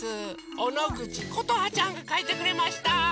おのぐちことはちゃんがかいてくれました！